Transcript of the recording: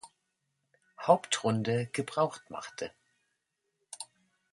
Hauptrunde gebraucht machte.